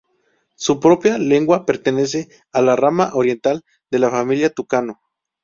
Su propia lengua pertenece a la rama oriental de la Familia Tucano.